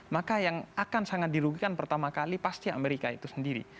maka yang akan sangat dirugikan pertama kali pasti amerika itu sendiri